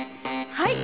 はい！